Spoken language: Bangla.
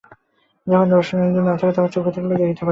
যখন দর্শনেন্দ্রিয় না থাকে, তখন চক্ষু থাকিলেও দেখিতে পারি না।